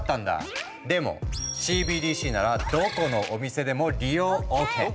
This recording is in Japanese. でもＣＢＤＣならどこのお店でも利用ＯＫ。